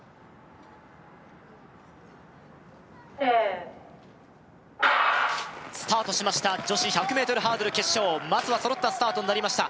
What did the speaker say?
Ｓｅｔスタートしました女子１００ｍハードル決勝まずは揃ったスタートになりました